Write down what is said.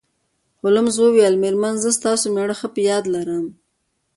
هولمز وویل میرمن زه ستاسو میړه ښه په یاد لرم